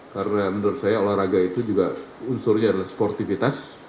karena menurut saya olahraga itu juga unsurnya adalah sportivitas